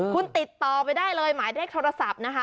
คุณติดต่อไปได้เลยหมายเลขโทรศัพท์นะคะ